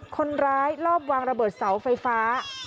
คนร้ายรอบวางระเบิดเสาไฟฟ้า